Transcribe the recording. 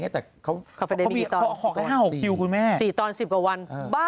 แต่เขามีขอแค่๕๖คิวคุณแม่บ้า๔ตอน๑๐กว่าวัน